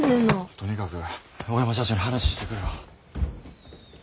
とにかく大山社長に話してくるわ。